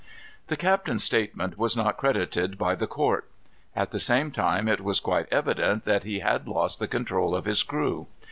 The captain's statement was not credited by the court. At the same time it was quite evident that he had lost the control of his crew.